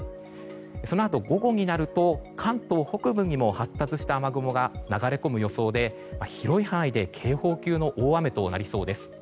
そのあと午後になると関東北部にも発達した雨雲が流れ込む予想で、広い範囲で警報級の大雨となりそうです。